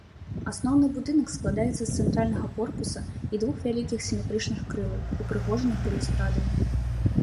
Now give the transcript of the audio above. Асноўны будынак складаецца з цэнтральнага корпуса і двух вялікіх сіметрычных крылаў, упрыгожаных балюстрадамі.